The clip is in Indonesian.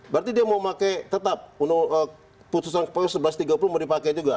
berarti dia mau pakai tetap putusan ke seribu satu ratus tiga puluh mau dipakai juga